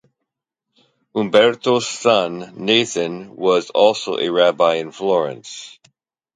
Umberto's son Nathan was also a rabbi in Florence.